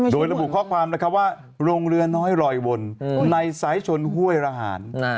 โดยระบุข้อความนะครับว่าโรงเรือน้อยลอยวนในสายชนห้วยระหาร